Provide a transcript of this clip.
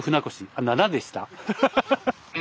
あっ７でした。